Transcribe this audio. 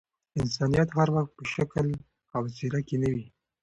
انسانيت هر وخت په شکل او څهره کي نه وي.